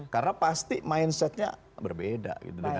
karena pasti mindsetnya berbeda gitu